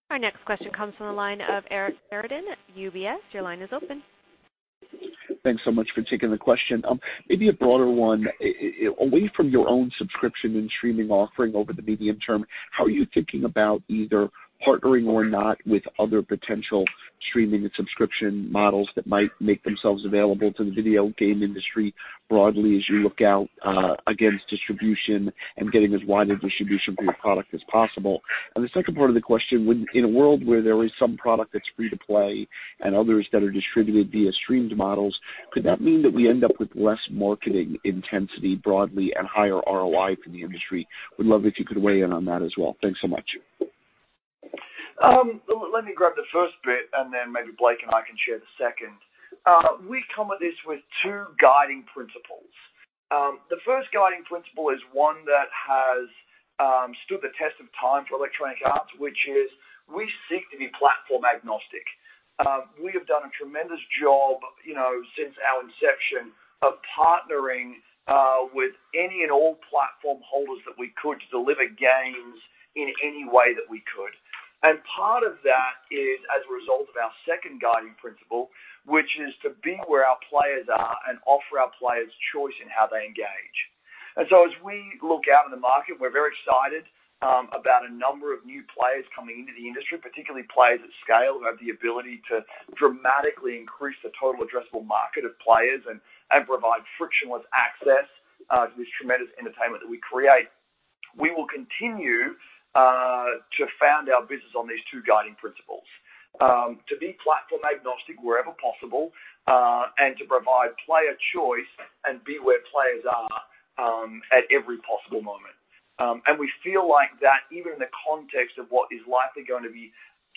[SPEAKER 1] Our next question comes from the line of Eric Sheridan at UBS. Your line is open.
[SPEAKER 9] Thanks so much for taking the question. Maybe a broader one. Away from your own subscription and streaming offering over the medium term, how are you thinking about either partnering or not with other potential streaming and subscription models that might make themselves available to the video game industry broadly as you look out against distribution and getting as wide a distribution for your product as possible? The second part of the question, in a world where there is some product that's free to play and others that are distributed via streamed models, could that mean that we end up with less marketing intensity broadly and higher ROI from the industry? Would love if you could weigh in on that as well. Thanks so much.
[SPEAKER 3] Let me grab the first bit, and then maybe Blake and I can share the second. We come at this with two guiding principles. The first guiding principle is one that has stood the test of time for Electronic Arts, which is we seek to be platform agnostic. We have done a tremendous job since our inception of partnering with any and all platform holders that we could to deliver games in any way that we could. Part of that is as a result of our second guiding principle, which is to be where our players are and offer our players choice in how they engage. As we look out in the market, we're very excited about a number of new players coming into the industry, particularly players at scale who have the ability to dramatically increase the total addressable market of players and provide frictionless access to this tremendous entertainment that we create. We will continue to found our business on these two guiding principles: to be platform agnostic wherever possible, and to provide player choice and be where players are at every possible moment. We feel like that even in the context of what is likely going to be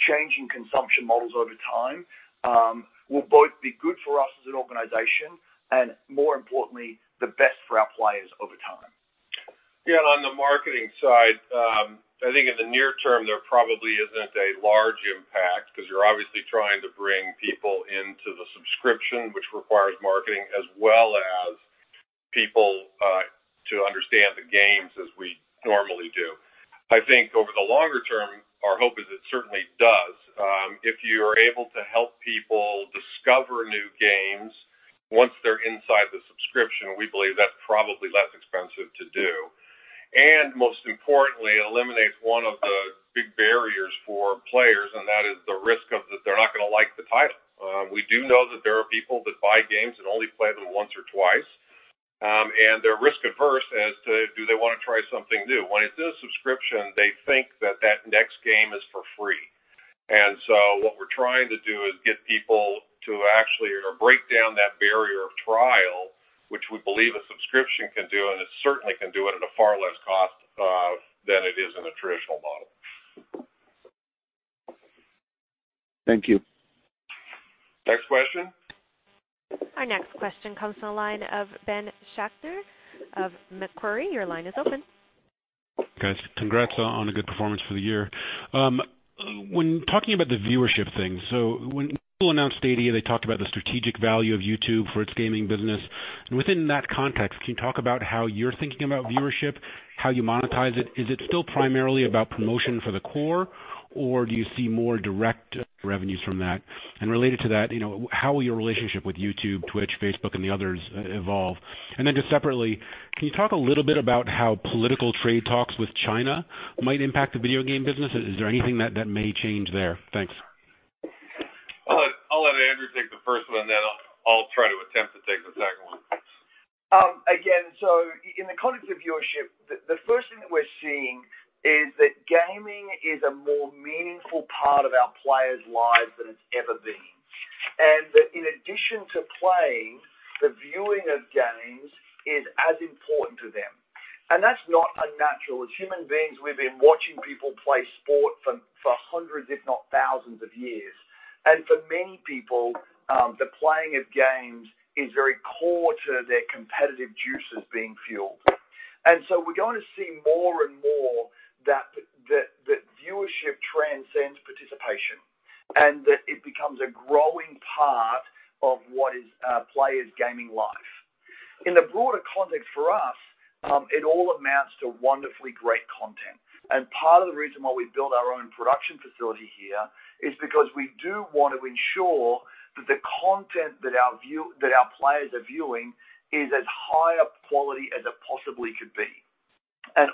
[SPEAKER 3] changing consumption models over time will both be good for us as an organization and more importantly, the best for our players over time.
[SPEAKER 4] Yeah, on the marketing side, I think in the near term, there probably isn't a large impact because you're obviously trying to bring people into the subscription, which requires marketing as well as people to understand the games as we normally do. I think over the longer term, our hope is it certainly does. If you are able to help people discover new games once they're inside the subscription, we believe that's probably less expensive to do, and most importantly, it eliminates one of the big barriers for players, and that is the risk of that they're not going to like the title. We do know that there are people that buy games and only play them once or twice. They're risk averse as to do they want to try something new. When it's in a subscription, they think that that next game is for free. What we're trying to do is get people to actually break down that barrier of trial, which we believe a subscription can do, and it certainly can do it at a far less cost than it is in a traditional model.
[SPEAKER 9] Thank you.
[SPEAKER 4] Next question.
[SPEAKER 1] Our next question comes from the line of Ben Schachter of Macquarie. Your line is open.
[SPEAKER 10] Guys, congrats on a good performance for the year. When talking about the viewership thing, when Google announced Stadia, they talked about the strategic value of YouTube for its gaming business. Within that context, can you talk about how you're thinking about viewership, how you monetize it? Is it still primarily about promotion for the core, or do you see more direct revenues from that? Related to that, how will your relationship with YouTube, Twitch, Facebook, and the others evolve? Just separately, can you talk a little bit about how political trade talks with China might impact the video game business? Is there anything that may change there? Thanks.
[SPEAKER 4] I'll let Andrew take the first one, I'll try to attempt to take the second one.
[SPEAKER 3] In the context of viewership, the first thing that we're seeing is that gaming is a more meaningful part of our players' lives than it's ever been. In addition to playing, the viewing of games is as important to them. That's not unnatural. As human beings, we've been watching people play sport for hundreds, if not thousands of years. For many people, the playing of games is very core to their competitive juices being fueled. We're going to see more and more that viewership transcends participation and that it becomes a growing part of what is a player's gaming life. In the broader context for us, it all amounts to wonderfully great content. Part of the reason why we built our own production facility here is because we do want to ensure that the content that our players are viewing is as high up quality as it possibly could be.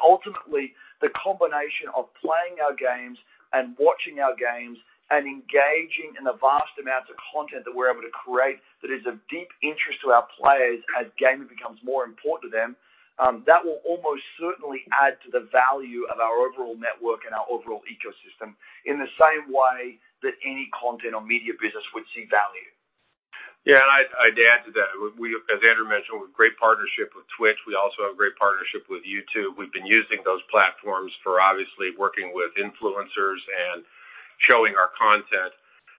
[SPEAKER 3] Ultimately, the combination of playing our games and watching our games and engaging in the vast amounts of content that we're able to create that is of deep interest to our players as gaming becomes more important to them, that will almost certainly add to the value of our overall network and our overall ecosystem in the same way that any content or media business would see value.
[SPEAKER 4] I'd add to that. As Andrew mentioned, we have a great partnership with Twitch. We also have a great partnership with YouTube. We've been using those platforms for obviously working with influencers and showing our content.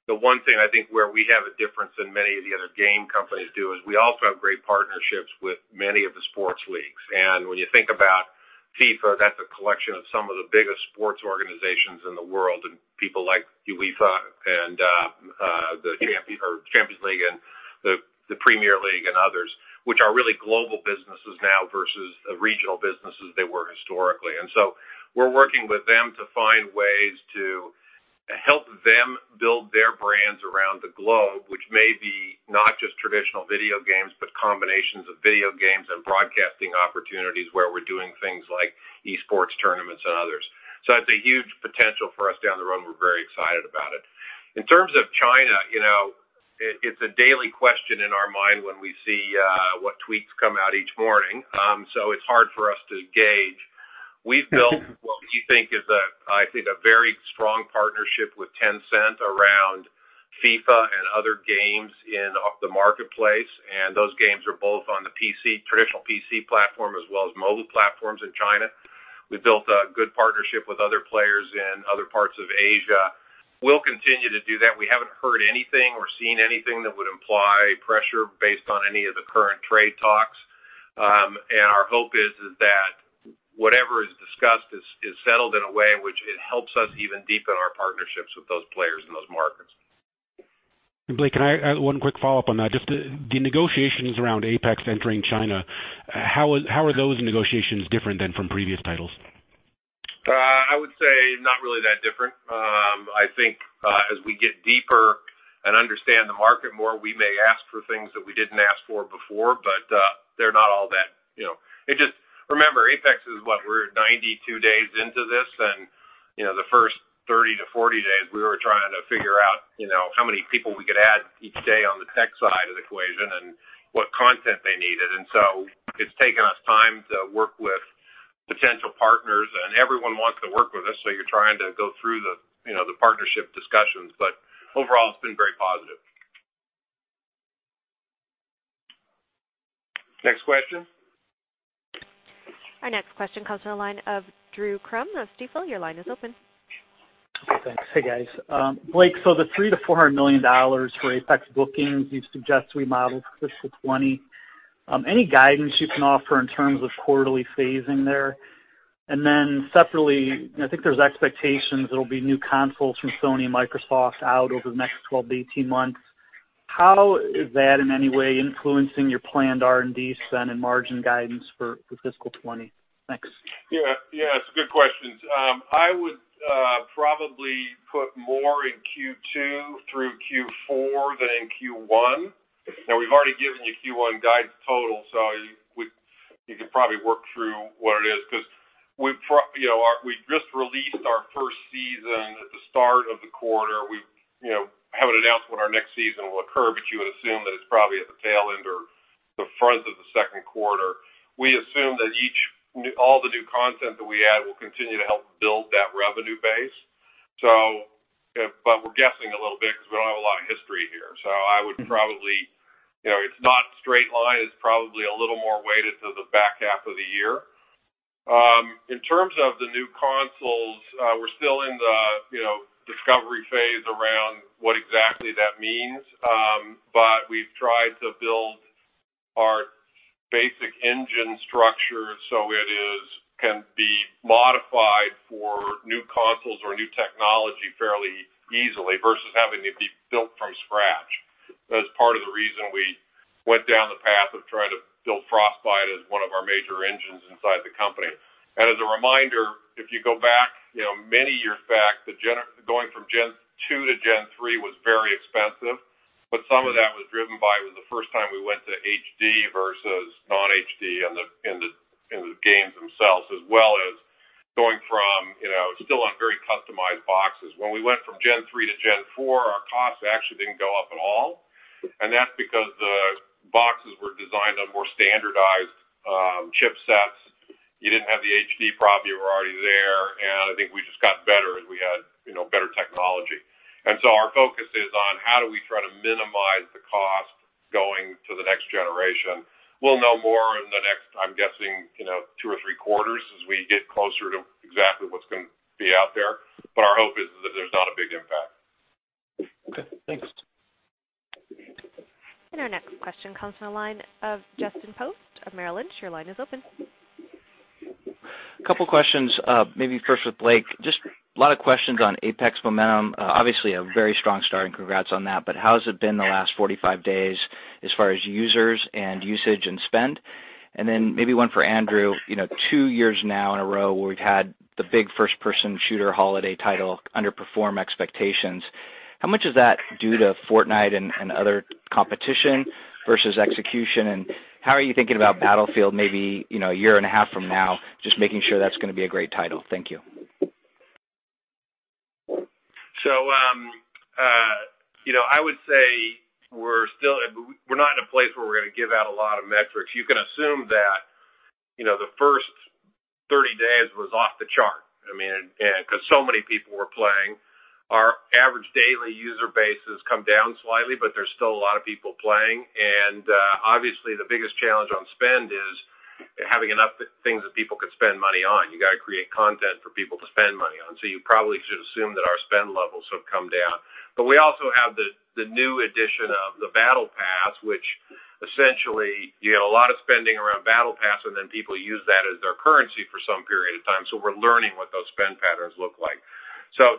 [SPEAKER 4] The one thing I think where we have a difference than many of the other game companies do is we also have great partnerships with many of the sports leagues. When you think about FIFA, that's a collection of some of the biggest sports organizations in the world and people like UEFA and the Champions League and the Premier League and others, which are really global businesses now versus regional businesses they were historically. We're working with them to find ways to help them build their brands around the globe, which may be not just traditional video games, but combinations of video games and broadcasting opportunities where we're doing things like esports tournaments and others. That's a huge potential for us down the road, and we're very excited about it. In terms of China, it's a daily question in our mind when we see what tweets come out each morning. It's hard for us to gauge. We've built what we think is, I think, a very strong partnership with Tencent around FIFA and other games in the marketplace. Those games are both on the traditional PC platform as well as mobile platforms in China. We've built a good partnership with other players in other parts of Asia. We'll continue to do that. We haven't heard anything or seen anything that would imply pressure based on any of the current trade talks. Our hope is that whatever is discussed is settled in a way in which it helps us even deepen our partnerships with those players in those markets.
[SPEAKER 10] Blake, can I add one quick follow-up on that? Just the negotiations around Apex entering China, how are those negotiations different than from previous titles?
[SPEAKER 4] I would say not really that different. I think as we get deeper and understand the market more, we may ask for things that we didn't ask for before, but they're not all that. Remember, Apex is what? We're 92 days into this. The first 30 to 40 days, we were trying to figure out how many people we could add each day on the tech side of the equation and what content they needed. It's taken us time to work with potential partners, and everyone wants to work with us, so you're trying to go through the partnership discussions. Overall, it's been very positive. Next question.
[SPEAKER 1] Our next question comes from the line of Doug Creutz of Stifel. Your line is open.
[SPEAKER 11] Okay, thanks. Hey, guys. Blake, the $300 million-$400 million for Apex bookings, you suggest we model fiscal 2020. Any guidance you can offer in terms of quarterly phasing there? Separately, I think there's expectations there'll be new consoles from Sony and Microsoft out over the next 12 to 18 months. How is that in any way influencing your planned R&D spend and margin guidance for fiscal 2020? Thanks.
[SPEAKER 4] Yeah. It's good questions. I would probably put more in Q2 through Q4 than in Q1. We've already given you Q1 guidance total. You can probably work through what it is because we've just released our first season at the start of the quarter. We haven't announced when our next season will occur, you would assume that it's probably at the tail end or the front of the second quarter. We assume that all the new content that we add will continue to help build that revenue base. We're guessing a little bit because we don't have a lot of history here. It's not straight line. It's probably a little more weighted to the back half of the year. In terms of the new consoles, we're still in the discovery phase around what exactly that means. We've tried to build our basic engine structure so it can be modified for new consoles or new technology fairly easily versus having it be built from scratch. That's part of the reason we went down the path of trying to build Frostbite as one of our major engines inside the company. As a reminder, if you go back many years back, going from gen 2 to gen 3 was very expensive. Some of that was driven by it was the first time we went to HD versus non-HD in the games themselves, as well as going from still on very customized boxes. When we went from gen 3 to gen 4, our costs actually didn't go up at all. That's because the boxes were designed on more standardized chipsets. You didn't have the HD problem. You were already there. I think we just got better as we had better technology. Our focus is on how do we try to minimize the cost going to the next generation. We'll know more in the next, I'm guessing, two or three quarters as we get closer to exactly what's going to be out there. Our hope is that there's not a big impact.
[SPEAKER 11] Okay, thanks.
[SPEAKER 1] Our next question comes from the line of Justin Post of Merrill Lynch. Your line is open.
[SPEAKER 12] A couple of questions, maybe first with Blake. A lot of questions on Apex momentum. Obviously a very strong start and congrats on that. How has it been the last 45 days as far as users and usage and spend? Maybe one for Andrew. Two years now in a row where we've had the big first-person shooter holiday title underperform expectations. How much is that due to Fortnite and other competition versus execution? How are you thinking about Battlefield maybe a year and a half from now, just making sure that's going to be a great title? Thank you.
[SPEAKER 4] I would say we're not in a place where we're going to give out a lot of metrics. You can assume that the first 30 days was off the chart because so many people were playing. Our average daily user base has come down slightly, but there's still a lot of people playing. Obviously the biggest challenge on spend is having enough things that people could spend money on. You got to create content for people to spend money on. You probably should assume that our spend levels have come down. We also have the new addition of the Battle Pass, which essentially you get a lot of spending around Battle Pass, people use that as their currency for some period of time. We're learning what those spend patterns look like.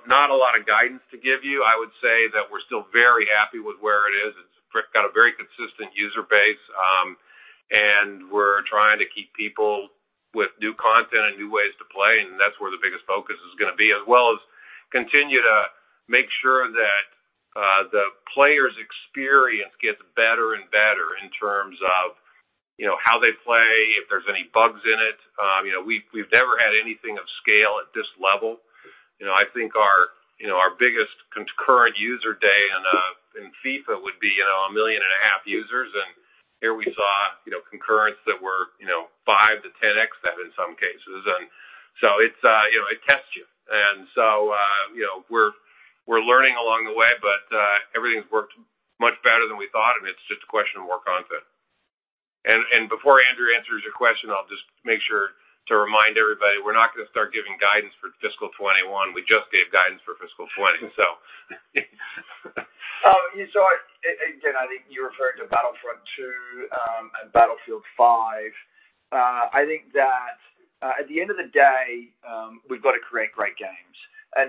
[SPEAKER 4] Not a lot of guidance to give you. I would say that we're still very happy with where it is. It's got a very consistent user base. We're trying to keep people with new content and new ways to play, and that's where the biggest focus is going to be, as well as continue to make sure that the player's experience gets better and better in terms of how they play, if there's any bugs in it. We've never had anything of scale at this level. I think our biggest concurrent user day in FIFA would be 1.5 million users. Here we saw concurrence that were 5 to 10x that in some cases. It tests you. We're learning along the way, but everything's worked much better than we thought, and it's just a question of more content. Before Andrew answers your question, I'll just make sure to remind everybody, we're not going to start giving guidance for fiscal 2021. We just gave guidance for fiscal 2020.
[SPEAKER 3] Again, I think you're referring to Battlefront II, and Battlefield V. I think that at the end of the day, we've got to create great games.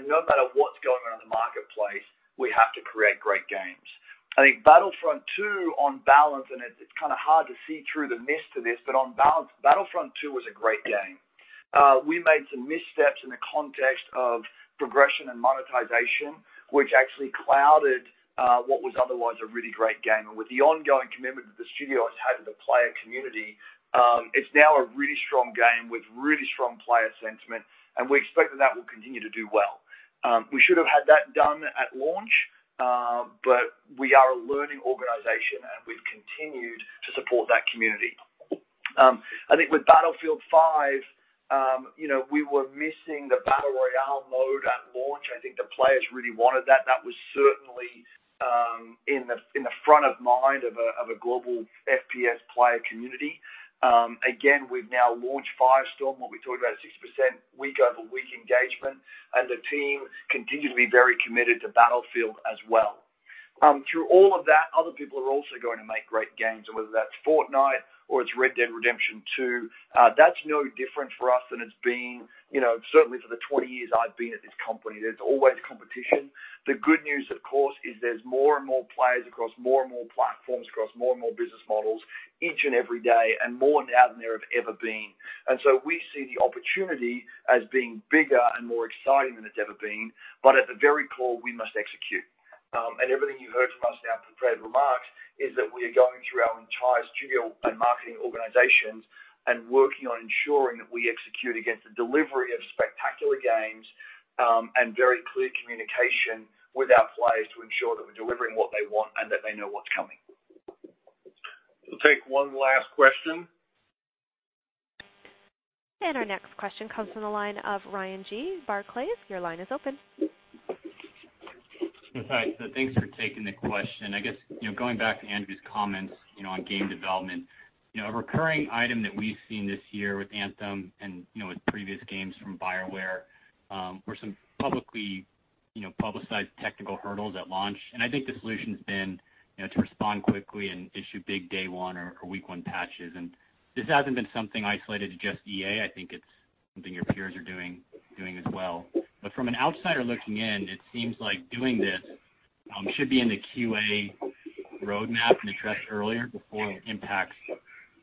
[SPEAKER 3] No matter what's going on in the marketplace, we have to create great games. I think Battlefront II on balance, and it's kind of hard to see through the mist of this, but on balance, Battlefront II was a great game. We made some missteps in the context of progression and monetization, which actually clouded what was otherwise a really great game. With the ongoing commitment that the studio has had to the player community, it's now a really strong game with really strong player sentiment, and we expect that that will continue to do well. We should have had that done at launch, but we are a learning organization, and we've continued to support that community. I think with Battlefield V, we were missing the battle royale mode at launch. I think the players really wanted that. That was certainly in the front of mind of a global FPS player community. We've now launched Firestorm, what we talked about, 60% week-over-week engagement, and the team continue to be very committed to Battlefield as well. Through all of that, other people are also going to make great games, and whether that's Fortnite or it's Red Dead Redemption 2, that's no different for us than it's been certainly for the 20 years I've been at this company. There's always competition. The good news, of course, is there's more and more players across more and more platforms, across more and more business models each and every day, and more now than there have ever been. We see the opportunity as being bigger and more exciting than it's ever been. At the very core, we must execute. Everything you heard from us in our prepared remarks is that we are going through our entire studio and marketing organizations and working on ensuring that we execute against the delivery of spectacular games, and very clear communication with our players to ensure that we're delivering what they want and that they know what's coming.
[SPEAKER 4] We'll take one last question.
[SPEAKER 1] Our next question comes from the line of Ryan Gee, Barclays. Your line is open.
[SPEAKER 13] Hi. Thanks for taking the question. I guess, going back to Andrew's comments on game development. A recurring item that we've seen this year with Anthem and with previous games from BioWare were some publicized technical hurdles at launch. I think the solution's been to respond quickly and issue big day one or week one patches. This hasn't been something isolated to just EA. I think it's something your peers are doing as well. From an outsider looking in, it seems like doing this should be in the QA roadmap and addressed earlier before it impacts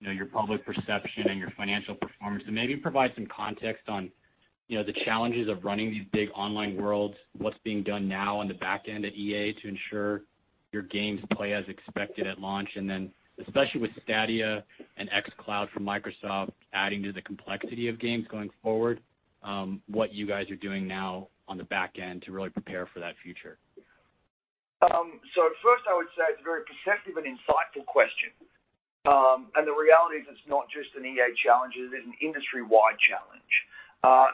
[SPEAKER 13] your public perception and your financial performance. Maybe provide some context on the challenges of running these big online worlds, what's being done now on the back end at EA to ensure your games play as expected at launch, then especially with Stadia and xCloud from Microsoft adding to the complexity of games going forward, what you guys are doing now on the back end to really prepare for that future.
[SPEAKER 3] First, I would say it's a very perceptive and insightful question. The reality is it's not just an EA challenge, it is an industry-wide challenge.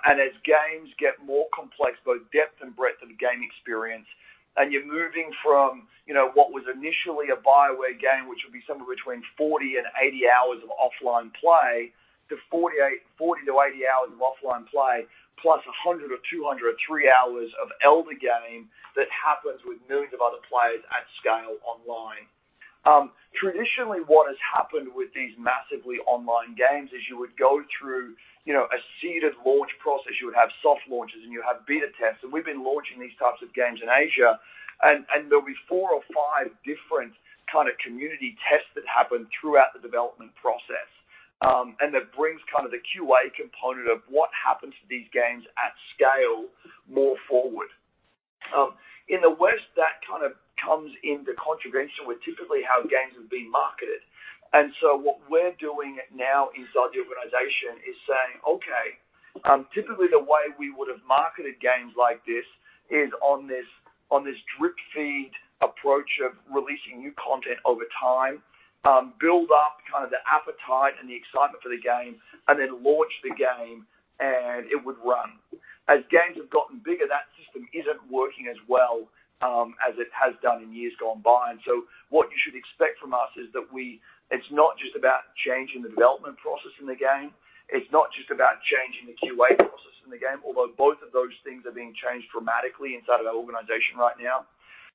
[SPEAKER 3] As games get more complex, both depth and breadth of the game experience, you're moving from what was initially a BioWare game, which would be somewhere between 40 and 80 hours of offline play to 40 to 80 hours of offline play, plus 100 or 200 or 300 hours of elder game that happens with millions of other players at scale online. Traditionally, what has happened with these massively online games is you would go through a seeded launch process. You would have soft launches, you have beta tests, we've been launching these types of games in Asia, there'll be four or five different kind of community tests that happen throughout the development process. That brings kind of the QA component of what happens to these games at scale more forward. In the West, that kind of comes into contravention with typically how games have been marketed. What we're doing now inside the organization is saying, okay, typically the way we would've marketed games like this is on this drip feed approach of releasing new content over time, build up kind of the appetite and the excitement for the game, launch the game, it would run. As games have gotten bigger, that system isn't working as well as it has done in years gone by. What you should expect from us is that it's not just about changing the development process in the game. It's not just about changing the QA process in the game, although both of those things are being changed dramatically inside of our organization right now.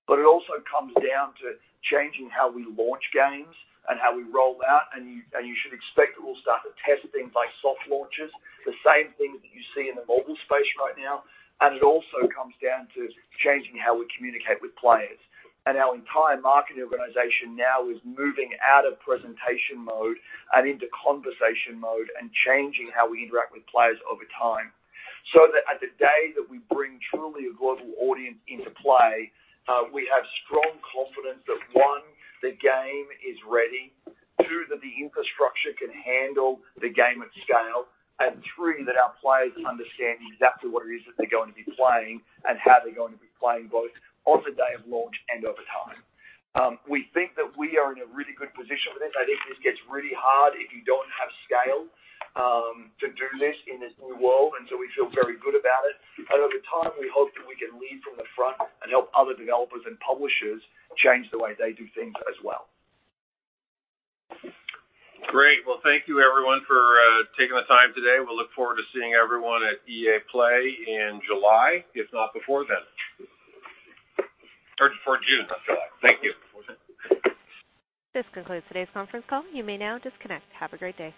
[SPEAKER 3] It also comes down to changing how we launch games and how we roll out, you should expect that we'll start to test things like soft launches, the same things that you see in the mobile space right now. It also comes down to changing how we communicate with players. Our entire marketing organization now is moving out of presentation mode and into conversation mode and changing how we interact with players over time, so that at the day that we bring truly a global audience into play, we have strong confidence that, one, the game is ready, two, that the infrastructure can handle the game at scale, and three, that our players understand exactly what it is that they're going to be playing and how they're going to be playing both on the day of launch and over time. We think that we are in a really good position for this. I think this gets really hard if you don't have scale to do this in this new world, we feel very good about it. Over time, we hope that we can lead from the front and help other developers and publishers change the way they do things as well.
[SPEAKER 4] Great. Well, thank you everyone for taking the time today. We'll look forward to seeing everyone at EA Play in July, if not before then. Before June, I'm sorry. Thank you.
[SPEAKER 1] This concludes today's conference call. You may now disconnect. Have a great day.